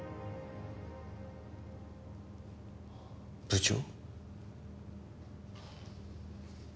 部長？